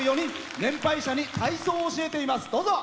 年配者に体操を教えています。